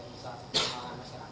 kita pakai dns yang bisa